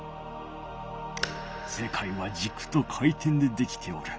せかいはじくと回転でできておる。